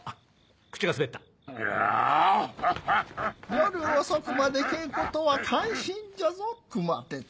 夜遅くまで稽古とは感心じゃぞ熊徹。